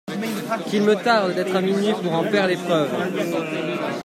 Qu’il me tarde d’être à minuit pour en faire l’épreuve !